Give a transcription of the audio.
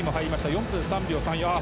４分３秒３４。